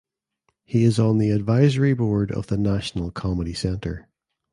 He is on the advisory board of the National Comedy Center.